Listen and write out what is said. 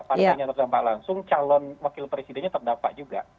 pada saatnya terdampak langsung calon wakil presidennya terdampak juga